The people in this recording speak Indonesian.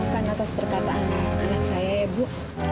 bukan atas perkataan anak saya ya bu